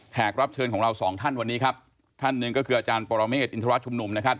รับเชิญของเราสองท่านวันนี้ครับท่านหนึ่งก็คืออาจารย์ปรเมฆอินทรชุมนุมนะครับ